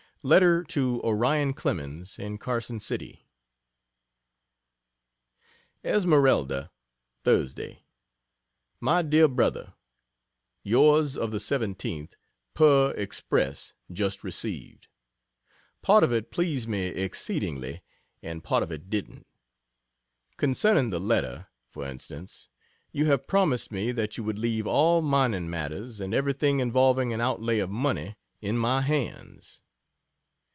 Letter to Orion Clemens, in Carson City: ESMERALDA, Thursday. MY DEAR BRO., Yours of the 17th, per express, just received. Part of it pleased me exceedingly, and part of it didn't. Concerning the letter, for instance: You have PROMISED me that you would leave all mining matters, and everything involving an outlay of money, in my hands.